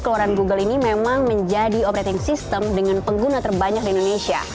keluaran google ini memang menjadi operating system dengan pengguna terbanyak di indonesia